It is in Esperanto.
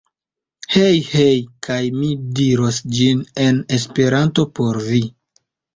Hej! Hej! Kaj mi diros ĝin en esperanto por vi.